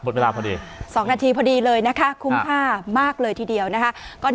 เวลาพอดี๒นาทีพอดีเลยนะคะคุ้มค่ามากเลยทีเดียวนะคะ